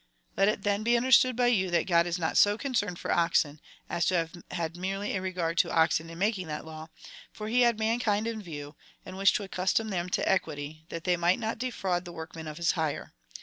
Let it then be understood by you, that God is not so concerned for oxen, as to have had merely a regard to oxen in making that law, for he had mankind in view, and wished to accustom them to equity, that they CHAP.IX. 11. FIRST EPISTLE TO THE CORINTHIANS. 295 miffht not defraud the workman of liis hire.